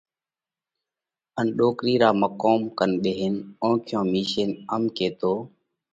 ان ڏوڪرِي را مقوم ڪنَ ٻيهينَ اونکيون مِيشينَ ام ڪيتو: